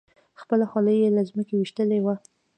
خپله خولۍ یې له ځمکې ویشتلې وه.